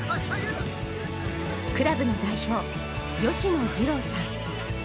クラブの代表、吉野次郎さん。